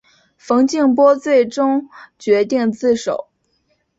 冯静波最终决定自首。